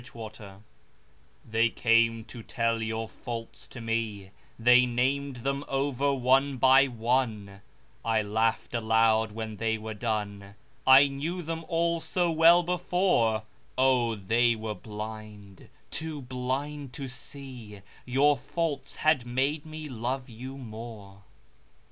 Faults They came to tell your faults to me, They named them over one by one; I laughed aloud when they were done, I knew them all so well before, Oh, they were blind, too blind to see Your faults had made me love you more.